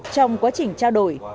trong quá trình trao đổi